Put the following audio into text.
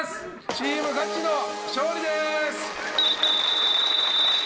チームガチの勝利です。